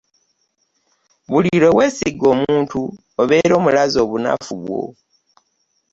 buli lwe weesiga omuntu obeera omulaze obunafu bwo.